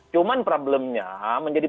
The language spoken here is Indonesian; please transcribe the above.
cuman problemnya menjadi